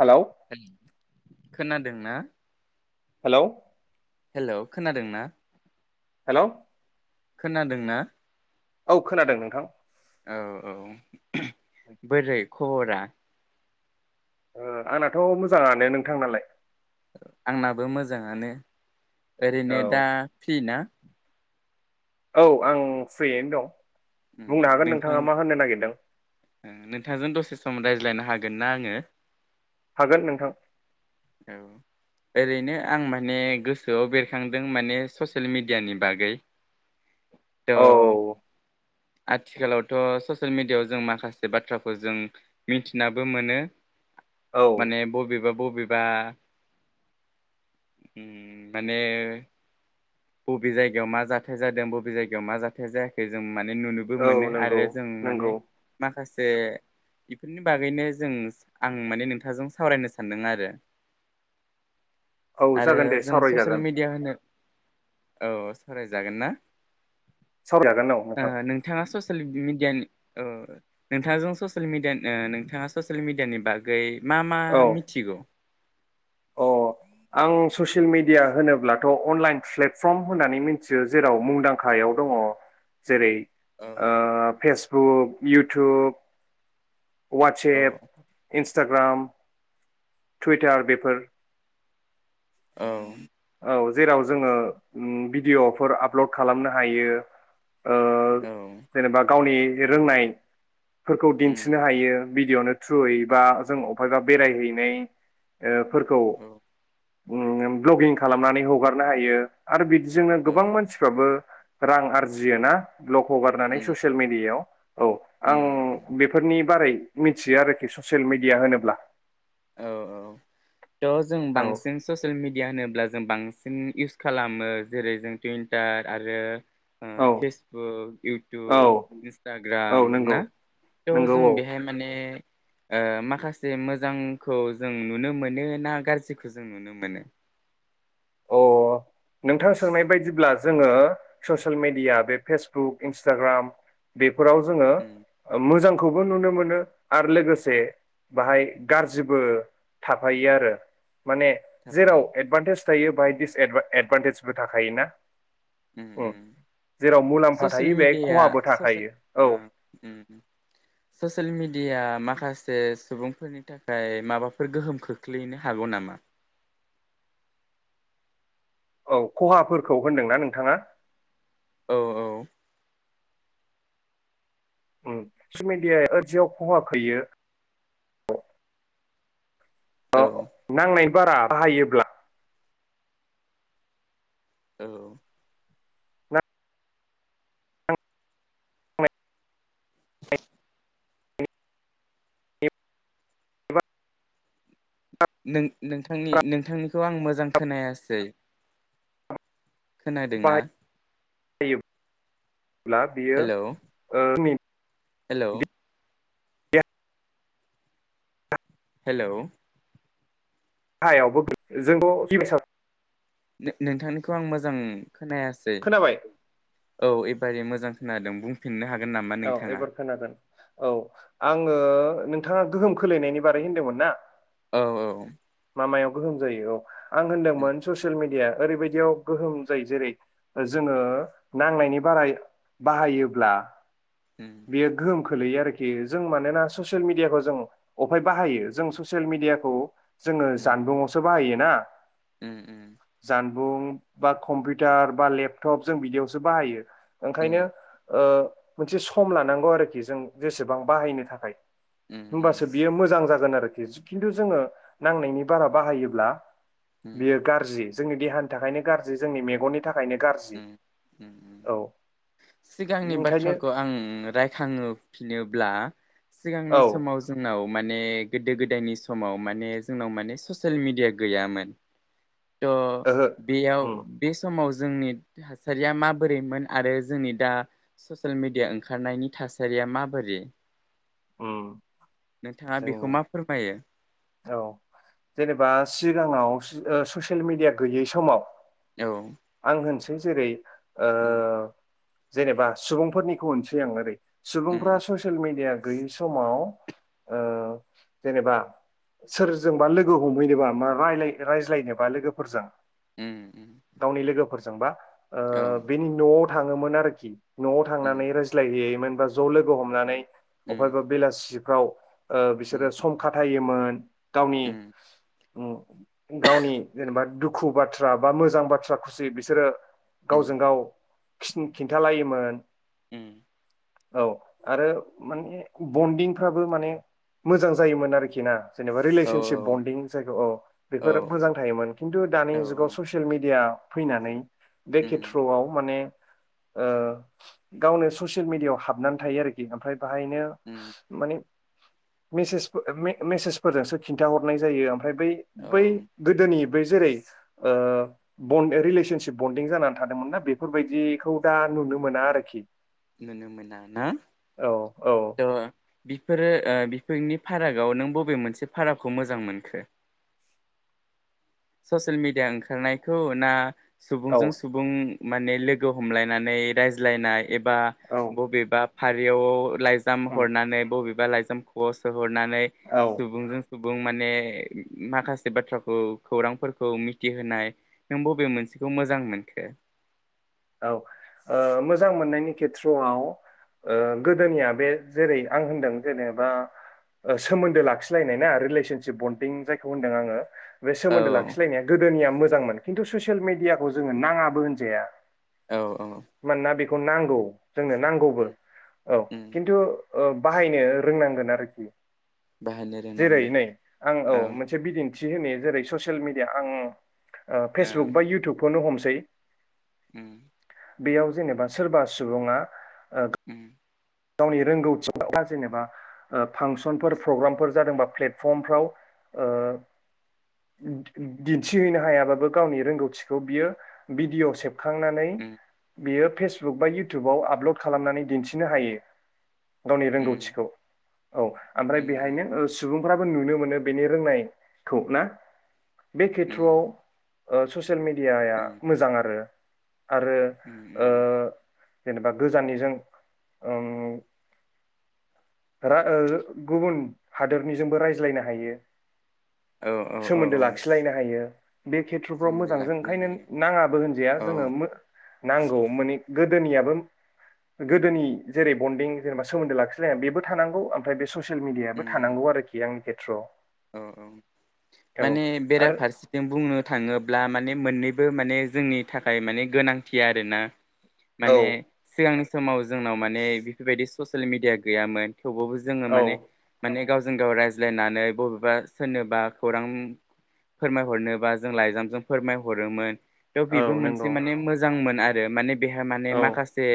Hello हेल खोनादों ना हेलौ हेल' खोनादों ना हेलौ खोनादोंना औ खोनादों नोंथां औ औ बोरै खबरा ओ आंनाथ मोजाङानो नोंथांनालाय आंनाबो मोजाङानो ओरैनो औ दा फि ना औ आं फ्रियैनो दं बुंनो उम हागोन नोंथां नोंथाङा मा होननो नागिरदों नोंथांजों दसे सम रायज्लायनो हागोन ना आङो हागोन नोंथां औ ओरैनो आं माने गोसोआव बेरखांदों माने ससियेल मिडियानि बागै औ थ' आथिखालावथ ससियेल मिडियाआव जों माखासे बाथ्राखौ जों मिन्थिनाबो मोनो औ माने बबिबा ब आं माने बबे जायगायाव मा जाथाय जादों बबे जायगायाव मा जाथाय जायाखै जों माने नुनोबो औ मोनो नंगौ आरो जों माने नंगौ माखासे जे बेफोरनि बागैनो जों आं माने नोंथांजों सावरायनो सानदों आरो औ आरो जागोन दे जों ससियेल सावरायजागोन मिडिया होनो औ सावराय जागोन ना सावरायजागोन औ नोंथां सियेल मिडियानि नोंथांजों ससियेल मिडिया नोंथाङा ससियेल मिडियानि बागै मा मा औ मिथिगौ अ आं ससियेल मिडिया होनोब्लाथ अनलाइन प्लेटफर्म होननानै मिथियो जेराव मुंदांखायाव दङ जेरै औ ओ फेस बुक इउथुब औ वाटसेप इनस टाग्राम टुइटार बेफोर औ औ जेराव जोङो भिडिअफोर आपलड खालामनो हायो ओ औ जेनेबा गावनि बे रोंनाय फोरखौ उम दिन्थिनो हायो भिडिअनि थ्रुयै बा जों अफायबा बेराय हैनाय फोरखौ औ ब्लगिं खालामनानै हगारनो हायो आरो बिदि जोंनो औ गोबां मानसिफ्राबो रां आरजियो ना ब्लक हगारनानै उम ससियेल मिडियायाव औ आं उम बेफोरनि बारै मिथियो आरोखि ससियेल मिडिया होनोब्ला औ औ त जों औ बांसिन ससियेल मिडिया होनोब्ला जों बांसिन इउस खालामो जेरै जों टुइन्टार आरो ओ औ फेसबुक औ इउटुब औ इन्सटाग्राम ना नंगौ त' नंगौ जों औ बेहाय माने ओ माखासे मोजां खौ जों नुनो मोनो ना गारजिखौ जों नुनो मोनो अ नोंथां सोंनाय बायदिब्ला जोङो ससियेल मेडिया बे फेसबुक इन्सटाग्राम बे फोराव जोङो उम मोजां खौबो नुनो मोनो आरो लोगोसे बाहाय गारजिबो थाफायो आरो माने जेराव थाफायो एदभारटेज थायो बाहाय डिस एदभा एदभान्टेजबो थाखायोना उम उम जेराव मुलाम्फा ससियेल थायो बेहाय मिडिया खहाबो थाखायो औ ससियेल अ उम ससेलमिडिया माखासे सुबुंफोरनि थाखाय माबाफोर गोहोम खोख्लैनो हागौ नामा औ खहाफोरखौ होनदोंना नोंथाङा औ औ ससेलमिदिया [unintelligible] खहा खैयो [unintelligible] अ औ नांनाय बारा बाहायोब्ला औ नांनायनि बारा नों नोंथांनि नोंथांनिखौ आं मोजां खोनायासै। खोनादोंना? ज [unintelligible] ब्ला बियो हेलौ हेलौ देहायावबो हेलौ गाहायावबो जोंथ [unintelligible] नोंथांनिखौ आं मोजां खोनायासै खोनाबाय औ एबारे मोजां खोनादों। बुंफिननो हागोन नामा औ नोंथाङा एबार खोनागोन औ आङो नों नोंथाङा गोहोम खोलैनायनि बारै होन्दोंमोन ना? औ औ लामायाव गोहोम जायो औ आं उम होन्दोंमोन ससियेल मिडिया ओरैबायदियाव गोहोम जायो जेरै जोङो नांनायनि बाराय बाहायोब्ला उम बियो गोहोम खोलैयो आरोखि जों मानोना ससियेल मिडियाखौ जों अहाय बाहायो जों ससियेल मिडियाखौ जोङो जानबुं आवसो बाहायो ना उम उम बुं बा कम्पिउटार बा लेपटप जों बिदियावसो बाहायो। ओंखायनो उम ओ मोनसे सम लानांगौ आरोखि जों जेसेबां बाहायनो थाखाय उम उम उम होमबासो बियो मोजां जाग गोन आरोखिस खिथु जोङो नांनायनि बारा बाहायोब्ला उम बियो गारजि जोंनि देहानि थाखायनो गाज्रि जोंनि मेगननि थाखायनो गाज्रि उम उम उम औ सिगांनि ओंखायनो बाथ्राखौ आं रायखांओ फिनोब्ला औ सिगांनि समाव जोंनाव माने गोदो गोदायनि समाव माने जोंनाव माने सेल मिडिया गैयामोन। त ओहो बेयाव उम बे समाव जोंनि थासारिया माबोरैमोन आरो जोंनि दा ससियेल मिडिया ओंखारनायनि थासारिया माबोरै? उम नोंथाङा बेखौ जों मा फोरमायो अ जेनेबा सिगाङाव सि ओ ससियेल मिडिया गैयै समाव औ नों जेरै ओ उम जेनेबा सुबुंफोरनिखौ होनसै आं ओरै सुबुंफ्रा उम ससियेल मिडिया गैयै समाव ओ जेनेबा सोरजोंबा लोगो हमहैनोबा मा रायलाय रायज्लायनोबा लोगोफोरजों उम उम गावनि लोगो फोरजोंबा आ औ बेनि न'ट थाङोमोन आरोखि न'आव उम थांनानै रायज्लायहै मोनबा ज' लोगो हमनानै अफायबा उम बेलासि गाव ओ बिसोरो उम सम खाथायोमोन [inaudible] गावनि उम उम गावनि जेनेबा दुखु बाथ्रा बा मोजां बाथ्रा खुसि बिसोरो उम गावजों गाव [unintelligible] खिन्थालायोमोन उम औ आरो माने बन्दिंफ्राबो माने मोजां जायोमोन आरोखि ना जेनेबा औ रिलेसनसिप बन्डिं जायखौ अ औ बेफोर मोजां थायोमोन खिन्थु दानि जुगाव औ ससियेल मिडिया फैनानै बे उम खेथ्रआव माने ओ गावनो ससियेल मिडियाआव हाबनानै थायो आरोखि ओमफ्राय बाहायनो उम माने मेसेज फो मे मेसेजफोरजोंसो खिन्था हरनाय जायो ओमफ्राय बै औ बै गोदोनि बै जेरै ब रिलेसनसिप बन्दिं जानानै थादोंमोन ना बेफोरबायदिखौ दा नुनो मोना आरोखि नुनो मोना ना औ औ ओ बिफोरो ओ बिफोरनि फारागआव नों बबे मोनसे फारागखौ मोजां मोनखो ससियेल मिडिया ओंखारनायखौ ना औ सुबुंजों सुबुं माने लोगो हमलायनानै रायज्लायनाय एबा औ बबेबा हारियाव लाइजाम उम हरनानै बबे बा लाइजाम ख'आव स' हरनानै औ सुबुंजों सुबुं माने माखासे बाथ्राखौ खौरांफोरखौ मिथिहोनाय नों बबे मोनसेखौ मोजां मोनखो औ ओ मोजां मोननायनि खेथ्रआव ओ गोदोनिया बे जेरै आं होनदों जेनेबा ओ सोमोन्दो लाखिलायनाय ना रिलेसनसिप बन्डिं जायखौ होनदों आङो बे औ सोमोन्दो लाखि लायनाया गोदोनिया मोज जांमोन खिन्थु ससियेल मिडियाखौ जोङो नाङाबो होनजाया औ औ खौ नांगौ जोंनो नांगौबो उम औ उम किन्थु ओ बाहायनो रोंनांगोन आरोखि बाहायनो जेरै रोंनांगोन नै आं औ मोनसे बिदिन दिथि होनो जेरै ससियेल मिडिया आं ओ औ फेसबुक बा इउटुबखौनो हमसै थै उम बेयाव जेनेबा सोरबा सुबुङा ओ उम गोग गावनि रोंगौथि बा जेनेबा फांसनफोर प्रग्रामफोर जादोंबा प्लेटफर्मफ्राव दिन्थिहैनो हायाबाबो गावनि रोंगौथिखौ बियो भिडिअ' सेब खांनानै उम बियो फेसबुक बा इउटुबाव आपल'ड खालामनानै दिन्थिनो हायो गावनि उम रोंगौथिखौ औ ओमफ्राय उम बेहायनो ओ सुबुं फोराबो नुनो मोनो बेनि रोंनायखौ ना बे खेत्रआव उम ओ ससे ससियेल मिडियाआ उम मोजां आरो आरो उम ओ उम जेनेबा गोजाननिजों ओम रा ओ गुबुन हादोरनिजोंबो रायज्लायनो हायो औ औ सोमोन्दो औ लाखिलायनो हायो बे खेथ्र'फ्राव सोमोन्दो मोजां जों ओंखायनो लाखिलायनो हायो नाङाबो होनजाया जोङो औ मो नांगौ माने गोदोनियाबो गोदोनि जेरै बन्दिं जेनेबा सोमोन्दो लाखिलाया बेबो थानांगौ ओमफ्राय बे स ससियेल मिडियाबो उम थानांगौ आरो आंनि खाय थ्र औ औ माने आरो बेराफारसेथिं बुंनो थाङोब्ला माने मोननैबो माने जोंनि थाखाय माने गोनांथि आरोना। औ माने सिगांनि समाव जोंनाव माने बेफोरबायदि ससियेल मिडिया गैयामोन। थेवबाबबो जोङो औ माने माने गाव। जों गाव रायज्लायनानै बबेब बा सोरनोबा खौरां फोरमायहरनोबा जों लाइजामजों फोरमायहरोमोन। बेयाव औ बेबो मोनसे नंगौ माने मोजां मोन। आरो माने बेहा माने औ माखासे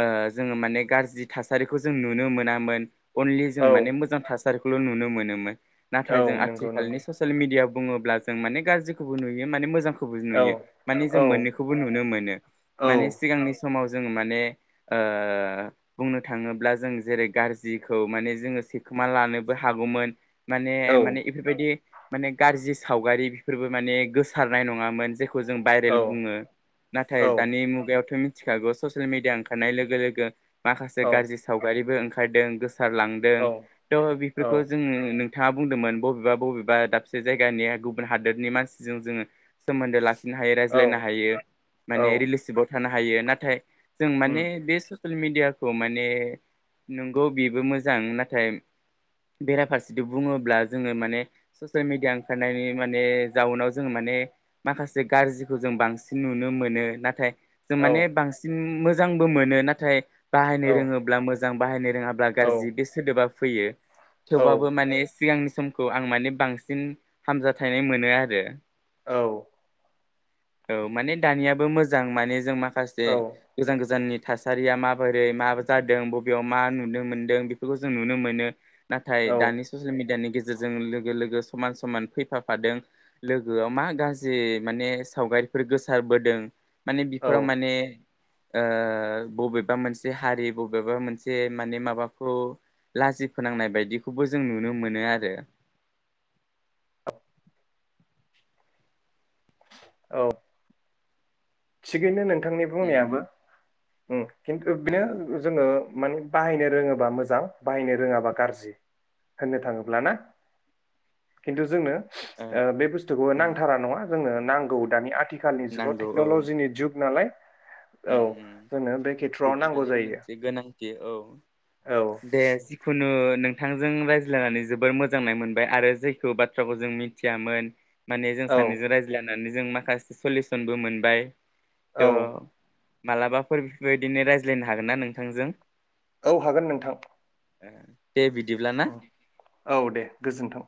ओ जोङो माने गाज्रि थासारिखौ जों नुनो मोनामोन। अनलि जों औ माने मोजां थास सारखौल' नुनो मोनोमोन। औ नाथाय जों नंगौ आथिखालनि नंगौ ससियेल मिडियाआव बुङोब्ला जों माने गाज्रिखौबो नुयो माने मोजांखौ बो औ नुयो माने जों औ मोननैखौबो नुनो मोनो औ माने सिगांनि समाव जों माने ओ बुंनो थाङोब्ला जों जेरै गाज्रिखौ माने जोङो सिखोमा लानोबो हागौमोन। माने औ माने इफोरबायदि माने गाज्रि सावगारि बेफोरबो माने गोसारनाय नङामोन जे खौ जों भाइरेल औ बुङो नाथाय औ दानि मुगायावथ' मि थिखागौ ससियेल मिडिया ओंखारनाय लोगो लोगो माखासे औ गाज्रि सावगारिबो ओं खारदों गोस ओंखारलांदों औ थेवबाबो बेफोरखौ जोङो नों बिथाङा बुंदोंमोन बबेबा बबेबा दाबसे जायगानि गुबुन हादोरनि मानसिजों जोङो सोमोन्दो लाखि खिनो हायो औ रायज्लायनो हायो औ माने रिलेसिबाव थानो हायो। नाथाय जों उम माने बे सो ससेल मिडियाखौ माने नोंगौ बेबो मोजां नाथाय बेराफारसे जदि बुङोब्ला जोङो माने ससियेल मिडिया ओंखारनायनि माने जाउनाव जोङो माने माखासे गाज्रिखौ जों बांसिन नुनो मोनो नाथाय जों औ माने बांसिन मोज मोजांबो मोनो नाथाय बाहायनो रोङोब्ला मोज जां बाहायनो रोङाब्ला औ गाज्रि बे सोदोबा फैयो औ थेवबाबो माने सिगांनि समखौ आं माने बांसिन हामजाथायनाय मोनो आरो औ औ माने दानियाबो मोजां माने जों मा माखासे गोजान गोजाननि थासारिया माबोरै मा जादों बबेयाव मा नुनो मोनदों बेफोरखौ जों नुनो मोनो नाथाय औ जुमि दानि गेजेरजों लोगो लोगो समान समान फैफाफादों लोगोआव मा गाज्रि माने सावगारिफोर गोसारबोदों माने बिफोराव माने ओ बबेबा मोनसे हारि बबेबा मोनसे माने माबाखौ लाजि फोनांनाय बायदिख खौबो जों नुनो मोनो आरो औ थिगैनो नों थांनि बुंनायाबो उम औ खिन्थु ओ बिनो जोङो माने बाहायनो रोङोबा मोजां बाहायनो रोङाबा गाज्रि होननो थाङोबा ना खिन्थु जोङो ओ बे बुस्थुखौ उम नांथारा नङा जोंनो नांगौ दानि आथि खालनि‌ जुगाव टे नांगौ औ क्न'लजिनि जुग नालाय औ उम उम जोंनो बे खेथ्रआव बेबो नांगौ माने जायो मोनसे गोनांथि औ औ दे जिखुनु नोंथांजों रायज्लायनानै जोबोर मोजांनाय मोनबाय आरो जोयखौ बाथ्राखौ जों मिथियामोन माने जों औ सानैजों रायज्लायन सानै जों माखासे सलिसनबो मोनबाय तो औ मालाबाफोर बेफोर बायदिनो रायज्लायनो हागोन ना नोंथांजों? औ हागोन नोंथां ओ अ औ दे गोजोनथों।